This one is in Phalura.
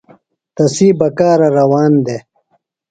تسی بکارہ روان دےۡ۔